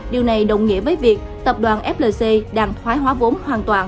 điều này đồng nghĩa với việc tập đoàn flc đang thoái hóa vốn hoàn toàn